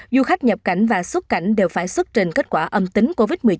du khách nhập cảnh và xuất cảnh đều phải xuất trình kết quả âm tính covid một mươi chín